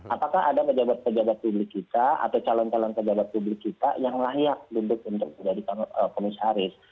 apakah ada pejabat pejabat publik kita atau calon calon pejabat publik kita yang layak duduk untuk menjadi komisaris